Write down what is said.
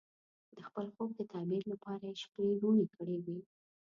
د خپل خوب د تعبیر لپاره یې شپې روڼې کړې وې.